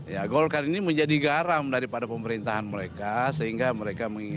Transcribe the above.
ya golkar ini menjadi garam daripada pemerintahan mereka sehingga mereka menginginkan